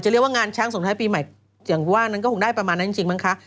เรียกว่างานช้างสงท้ายปีใหม่อย่างว่านั้นก็คงได้ประมาณนั้นจริงมั้งคะ